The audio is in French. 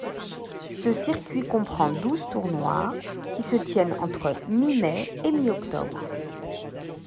Ce circuit comprend douze tournois qui se tiennent entre mi-mai et mi-octobre.